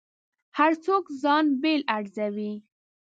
هر څوک ځان بېل ارزوي.